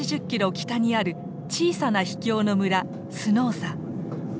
北にある小さな秘境の村スノーサ。